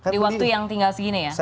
di waktu yang tinggal segini ya